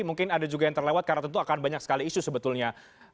mungkin ada juga yang terlewat karena tentu akan banyak sekali isu sebetulnya